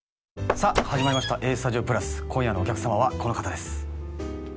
さあ始まりました「ＡＳＴＵＤＩＯ＋」今夜のお客様はこの方です